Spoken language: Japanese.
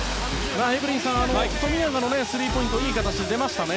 エブリンさん、富永のスリーポイントがいい形で出ましたね。